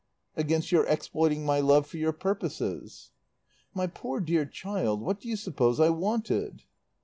"Against your exploiting my love for your purposes." "My poor dear child, what do you suppose I wanted?"